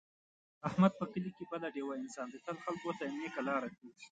احمد په کلي کې بله ډېوه انسان دی، تل خلکو ته نېکه لاره ښي.